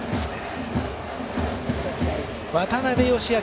渡邊佳明